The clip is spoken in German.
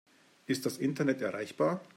Ist das Internet erreichbar?